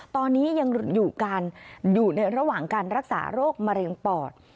ตอนนี้ยังอยู่ในระหว่างการรักษาโรคมะเร็งปอด